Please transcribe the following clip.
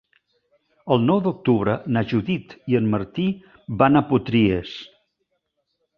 El nou d'octubre na Judit i en Martí van a Potries.